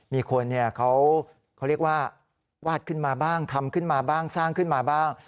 มีคนเขาเรียกว่าวาดขึ้นมาบ้างทำขึ้นมาบ้างสร้างขึ้นมาบ้าง